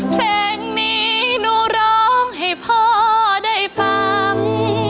เพลงนี้หนูร้องให้พ่อได้ฟัง